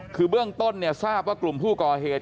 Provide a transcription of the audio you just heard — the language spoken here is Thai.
คือเบื้องต้นเนี่ยทราบว่ากลุ่มผู้ก่อเหตุ